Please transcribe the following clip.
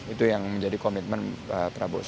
itu yang menjadi komitmen pak prabowo